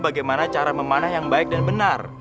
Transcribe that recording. bagaimana cara memanah yang baik dan benar